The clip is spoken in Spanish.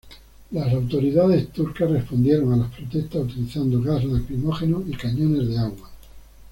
Las autoridades turcas respondieron a las protestas utilizando gas lacrimógeno y cañones de agua.